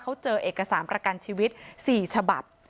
เขาเจอเอกสารประกันชีวิต๔ฉบับ